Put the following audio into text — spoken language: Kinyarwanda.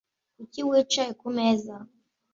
Kuki wicaye kumeza?